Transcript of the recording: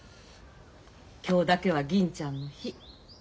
今日だけは銀ちゃんの日。